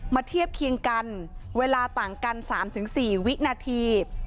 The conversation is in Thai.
เทียบเคียงกันเวลาต่างกัน๓๔วินาที